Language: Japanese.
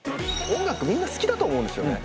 音楽みんな好きだと思うんですよね。